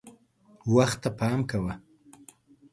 وخت ته پام کوه .